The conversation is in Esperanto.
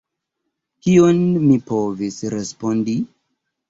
Kion mi povis respondi?